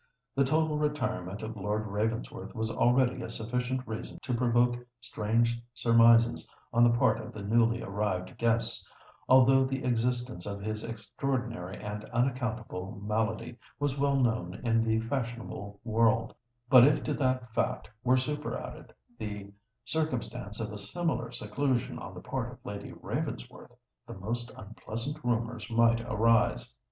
The total retirement of Lord Ravensworth was already a sufficient reason to provoke strange surmises on the part of the newly arrived guests, although the existence of his extraordinary and unaccountable malady was well known in the fashionable world: but if to that fact were superadded the circumstance of a similar seclusion on the part of Lady Ravensworth, the most unpleasant rumours might arise.